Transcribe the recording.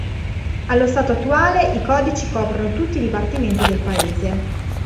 Allo stato attuale, i codici coprono tutti i dipartimenti del paese.